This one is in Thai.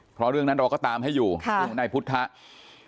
เพราะเรื่องนั้นเราก็ตามให้อยู่ในพุทธธนาคทรัพย์